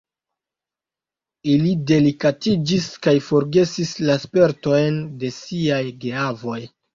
Ili delikatiĝis kaj forgesis la spertojn de siaj geavoj.